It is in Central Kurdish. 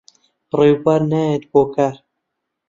ڕێبوار نایەت بۆ کار.